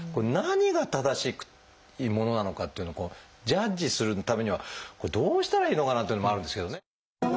何が正しいものなのかっていうのをジャッジするためにはどうしたらいいのかなというのもあるんですけどね。